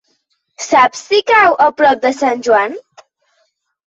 Saps si cau a prop de Sant Joan?